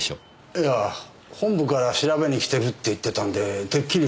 いや本部から調べに来てるって言ってたんでてっきり。